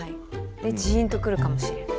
ジーンとくるかもしれない？